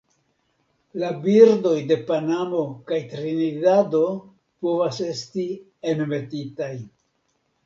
La birdoj de Panamo kaj Trinidado povas esti enmetitaj.